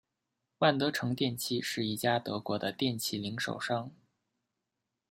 万得城电器是一家德国的电器零售商。